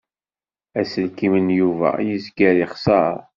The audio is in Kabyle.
Aselkim n Yuba yezga ixeṣṣer.